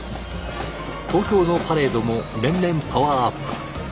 東京のパレードも年々パワーアップ。